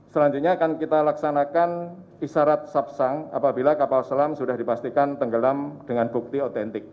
selanjutnya akan kita laksanakan isyarat sabsang apabila kapal selam sudah dipastikan tenggelam dengan bukti otentik